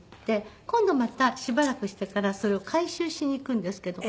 今度またしばらくしてからそれを回収しに行くんですけど。